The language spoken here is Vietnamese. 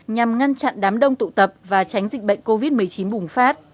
nhằm ngăn chặn đám đông tụ tập và tránh dịch bệnh covid một mươi chín bùng phát